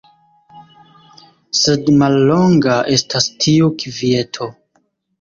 Sed mallonga estas tiu kvieto.